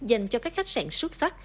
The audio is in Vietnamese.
dành cho các khách sạn xuất sắc